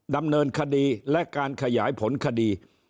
ดำเนินคดีและการขยายผลคดี